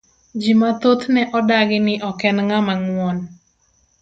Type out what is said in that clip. Ji mathoth ne odagi ni ok en ng'ama nguon.